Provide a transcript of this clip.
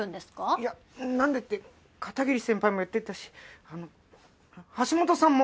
いやなんでって片桐先輩も言ってたし橋本さんも。